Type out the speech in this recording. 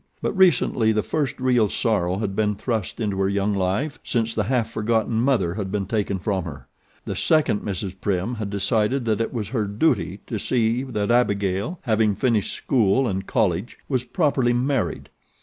But recently the first real sorrow had been thrust into her young life since the half forgotten mother had been taken from her. The second Mrs. Prim had decided that it was her 'duty' to see that Abigail, having finished school and college, was properly married.